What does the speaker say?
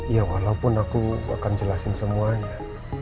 ya walaupun aku akan jelasin semuanya